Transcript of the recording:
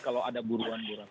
kalau ada buruan buruan